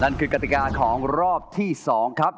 นั่นคือกติกาของรอบที่๒ครับ